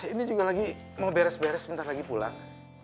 ini juga lagi mau beres beres sebentar lagi pulang